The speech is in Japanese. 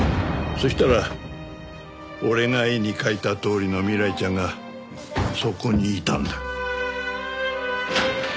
そしたら俺が絵に描いたとおりの未来ちゃんがそこにいたんだ。